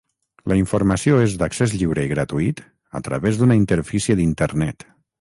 La informació és d'accés lliure i gratuït a través d'una interfície d'Internet.